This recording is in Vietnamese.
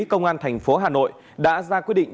công an thành phố hà nội đã ra quyết định